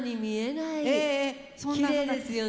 きれいですよね。